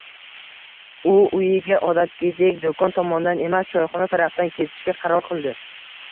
U uyiga odatdagidek do‘kon tomondan emas, choyxona tarafdan ketishga qaror qildi